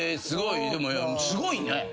すごいね。